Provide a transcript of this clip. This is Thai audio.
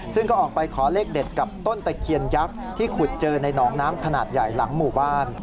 ซึ่งก็ออกไปขอเลขเด็ดกับต้นตะเคียนยักษ์ที่ขุดเจอในหนองน้ำขนาดใหญ่หลังหมู่บ้าน